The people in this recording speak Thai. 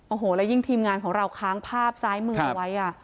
โอ้โหแล้วยิ่งทีมงานของเราค้างภาพซ้ายมือเอาไว้